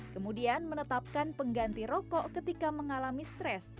kemudian menetapkan pengganti rokok ketika mengalami stres